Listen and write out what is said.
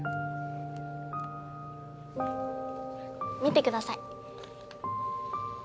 見てください。